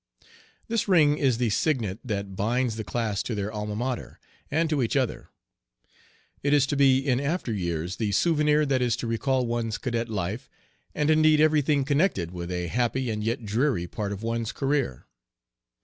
This ring is the signet that binds the class to their Alma Mater, and to each other. It is to be in after years the souvenir that is to recall one's cadet life, and indeed every thing connected with a happy and yet dreary part of one's career.